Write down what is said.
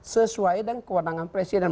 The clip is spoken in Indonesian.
sesuai dengan kewenangan presiden